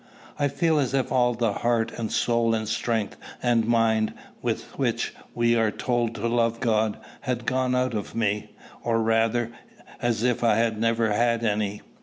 I feel as if all the heart and soul and strength and mind, with which we are told to love God, had gone out of me; or, rather, as if I had never had any.